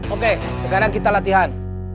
oke sekarang kita latihan